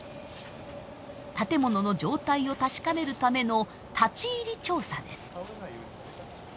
建物の状態を確かめるための立ち入り調査です。